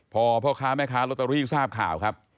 พอพ่อค้าแม่ค้าลอตเตอรี่ทราบข่าวครับ